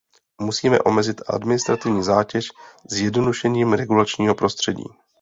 Musíme omezit administrativní zátěž zjednodušením regulačního prostředí.